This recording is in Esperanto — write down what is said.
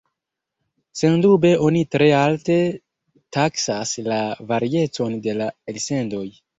Sendube oni tre alte taksas la variecon de la elsendoj.